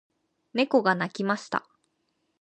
猫が鳴きました。